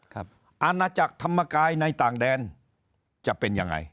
อาณาจักรธรรมกายในต่างแดนจะเป็นยังไง